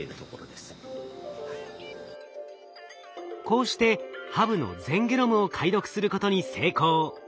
こうしてハブの全ゲノムを解読することに成功。